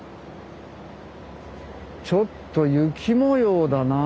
ちょっと雪模様だなあ。